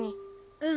うん。